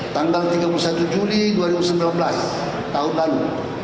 tanggal tiga puluh satu juli dua ribu sembilan belas tahun lalu